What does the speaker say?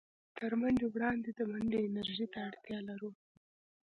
تر منډې وړاندې د منډې انرژۍ ته اړتيا لرو.